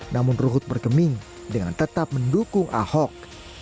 namun ruhut berkeming dengan tetap mendukung ahok